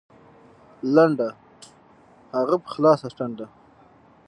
لنډه هغه په خلاصه ټنډه